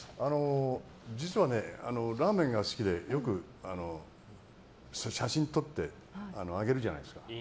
実は、ラーメンが好きでよく写真を撮って上げるじゃないですか。